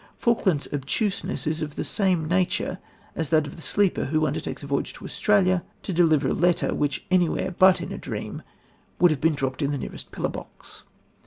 Falkland's obtuseness is of the same nature as that of the sleeper who undertakes a voyage to Australia to deliver a letter which anywhere but in a dream would have been dropped in the nearest pillar box.